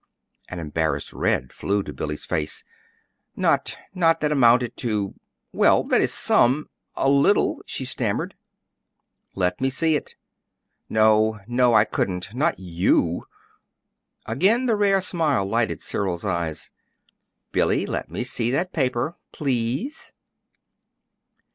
An embarrassed red flew to Billy's face. "Not not that amounted to well, that is, some a little," she stammered. "Let me see it." "No, no, I couldn't not YOU!" Again the rare smile lighted Cyril's eyes. "Billy, let me see that paper please."